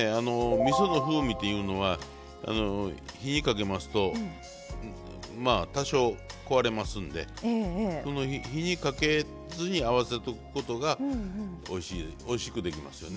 みその風味というのは火にかけますと多少壊れますんで火にかけずに合わせておくことがおいしくできますよね。